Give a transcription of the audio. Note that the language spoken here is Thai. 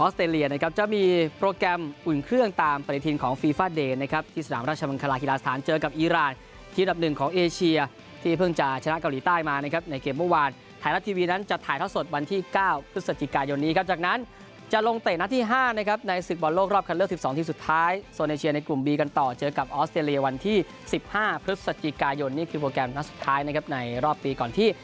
สจิกายนนี่คือโปรแกรมทั้งสุดท้ายนะครับในรอบปีก่อนที่